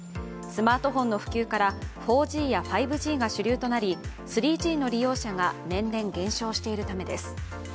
スマートフォンの普及から４Ｇや５Ｇが主流となり３Ｇの利用者が年々減少しているためです。